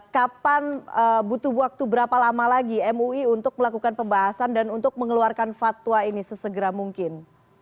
kapan butuh waktu berapa lama lagi mui untuk melakukan pembahasan dan untuk mengeluarkan fatwa ini sesegera mungkin